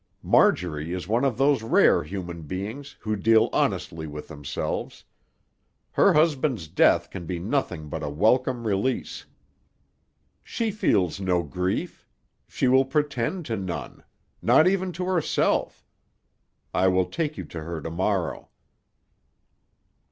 Marjorie is one of those rare human beings who deal honestly with themselves. Her husband's death can be nothing but a welcome release. She feels no grief; she will pretend to none. Not even to herself. I will take you to her to morrow."